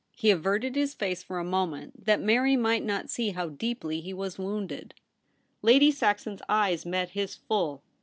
He averted his face for a moment that Mary might not see how deeply he was wounded. Lady Saxon's eyes met his full.